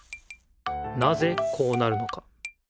なぜこうなるのか。